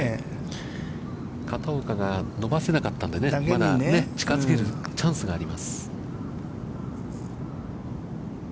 片岡が伸ばせなかったので、近づけるチャンスがあります。